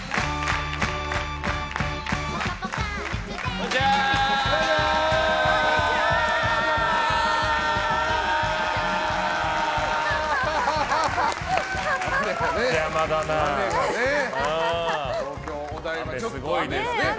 こんにちは！